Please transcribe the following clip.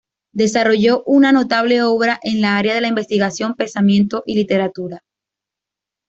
Desarrolló una notable obra en el área de la investigación, pensamiento y literatura.